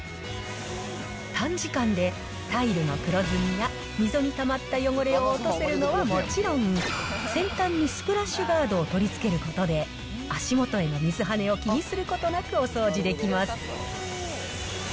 短時間でタイルの黒ずみや溝にたまった汚れを落とせるのはもちろん、先端にスプラッシュガードを取り付けることで、足元への水はねを気にすることなくお掃除できます。